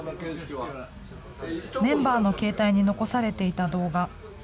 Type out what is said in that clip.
メンバーの携帯に残されていた動画。